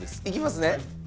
いきますね。